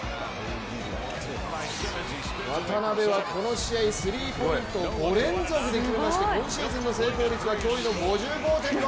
渡邊はこの試合、スリーポイントを５連続で決めまして今シーズンの成功率は驚異の５５．６％。